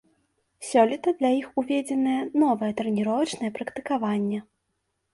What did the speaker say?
Сёлета для іх уведзенае новае трэніровачнае практыкаванне.